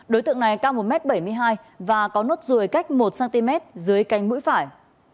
đối tượng này cao một m bảy mươi hai và có nốt ruồi cách một cm dưới canh mũi phải